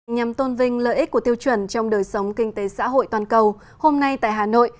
nhằm tôn vinh lợi ích của tiêu chuẩn trong đời sống kinh tế xã hội toàn cầu hôm nay tại hà nội